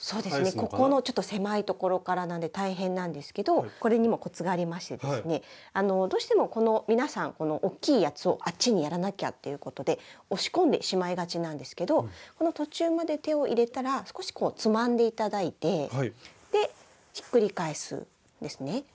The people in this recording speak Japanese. ここのちょっと狭いところからなんで大変なんですけどこれにもコツがありましてですねどうしても皆さんこの大きいやつをあっちにやらなきゃっていうことで押し込んでしまいがちなんですけど途中まで手を入れたら少しこうつまんで頂いてひっくり返すんですね。